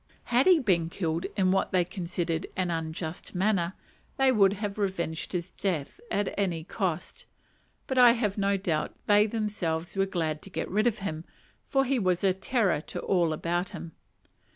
Had he been killed in what they considered an unjust manner, they would have revenged his death at any cost; but I have no doubt they themselves were glad to get rid of him, for he was a terror to all about him.